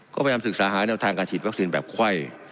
ก็พยายามศึกษาหาแนวทางการฉีดวัคซีนแบบไข้